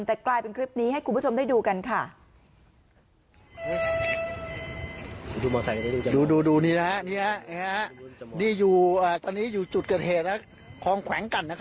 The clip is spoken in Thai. แต่กลายเป็นคลิปนี้ให้คุณผู้ชมได้ดูกันค่ะ